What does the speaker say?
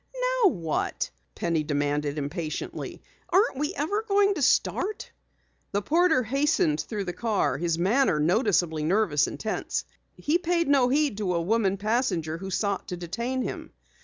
"Now what?" Penny demanded impatiently. "Aren't we ever going to start?" The porter hastened through the car, his manner noticeably nervous and tense. He paid no heed to a woman passenger who sought to detain him.